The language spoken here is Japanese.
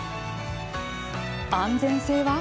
安全性は？